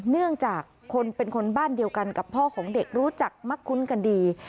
เนื่องจากคนเป็นคนบ้านเดียวกันกับพ่อของเด็กรู้จักมักคุ้นกันดี